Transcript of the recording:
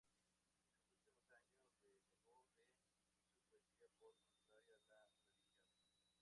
En sus últimos años renegó de su poesía por contraria a la religión.